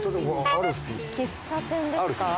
喫茶店ですか。